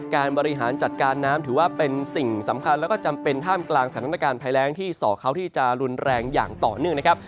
การบริหารจัดการน้ำถือว่าเป็นสิ่งสำคัญแล้วก็จำเป็นท่ามกลางสถานการณ์ภัยแรงที่ส่อเขาที่จะรุนแรงอย่างต่อเนื่องนะครับ